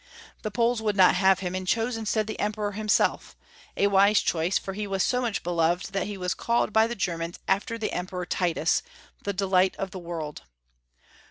The Poles woiUd not have him, and chose instead the Emperor himself, a wise choice, for he was so much beloved that he was called by the Germans after the Emperor Titus, "the delight of the world."